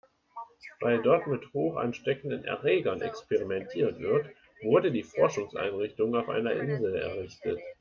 Weil dort mit hochansteckenden Erregern experimentiert wird, wurde die Forschungseinrichtung auf einer Insel errichtet.